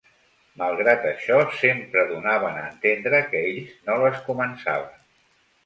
Malgrat això, sempre donaven a entendre que ells no les començaven.